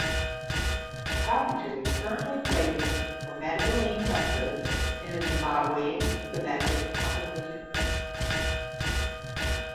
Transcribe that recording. Coventry currently plays for Matabeleland Tuskers in the Zimbabwean domestic competition.